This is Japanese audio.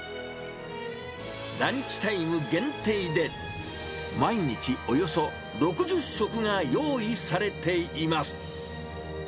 ランチタイム限定で、毎日およそ６０食が用意されています。